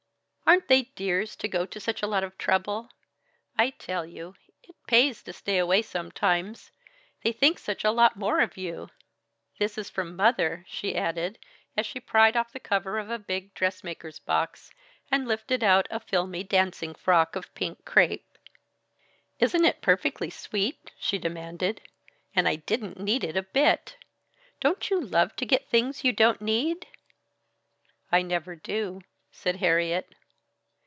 "Aren't they dears to go to such a lot of trouble? I tell you, it pays to stay away sometimes, they think such a lot more of you! This is from Mother," she added, as she pried off the cover of a big dressmaker's box, and lifted out a filmy dancing frock of pink crêpe. "Isn't it perfectly sweet?" she demanded, "and I didn't need it a bit! Don't you love to get things you don't need?" "I never do," said Harriet.